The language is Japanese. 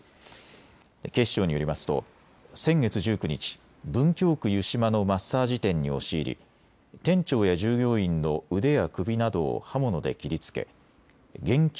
警視庁によりますと先月１９日、文京区湯島のマッサージ店に押し入り店長や従業員の腕や首などを刃物で切りつけ現金